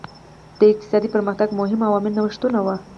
د اقتصادي پرمختګ مهم عامل نوښتونه وو.